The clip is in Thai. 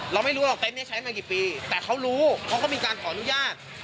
เราไม่รู้หรอกเต็นต์นี้ใช้มากี่ปีแต่เขารู้เขาก็มีการขออนุญาต